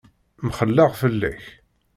Mxelleɣ fell-ak.